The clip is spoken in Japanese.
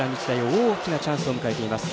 大きなチャンスを迎えています。